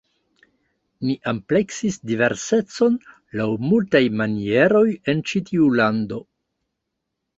Ni ampleksis diversecon laŭ multaj manieroj en ĉi tiu lando.